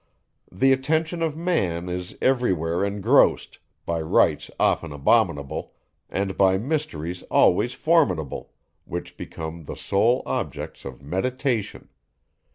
The attention of man is every where engrossed, by rites often abominable, and by mysteries always formidable, which become the sole objects of meditation.